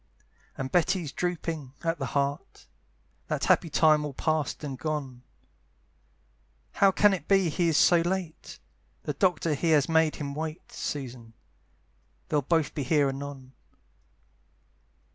And Betty's drooping at the heart, That happy time all past and gone, "How can it be he is so late? "The doctor he has made him wait, "Susan! they'll both be here anon."